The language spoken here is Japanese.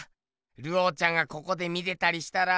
ルオーちゃんがここで見てたりしたら。